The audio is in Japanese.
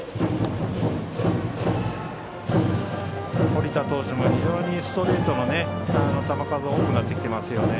堀田投手も非常にストレートの球数が多くなってきていますね。